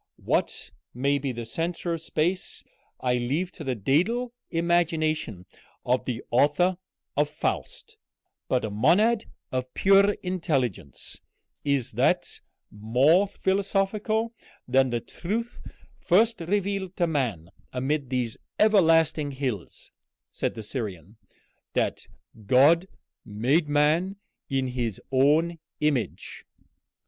What may be the centre of space I leave to the dædal imagination of the author of 'Faust'; but a monad of pure intelligence is that more philosophical than the truth first revealed to man amid these everlasting hills," said the Syrian, "that God made man in his own image?"